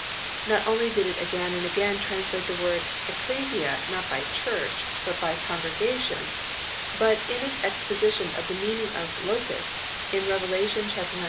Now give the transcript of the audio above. Not only did it again and again translate the word " ecclesia " not by " church," but by " con gregation "; but in its exposition of the meaning of "locusts" in Revelation ix.